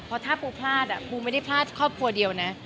เพราะถ้าปูพลาดปูไม่ได้พลาดครอบครัวเดียวนะ